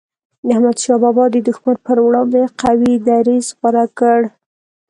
احمد شاه بابا د دښمن پر وړاندي قوي دریځ غوره کړ.